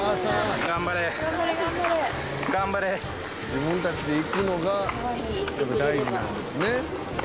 自分たちで行くのが大事なんですね。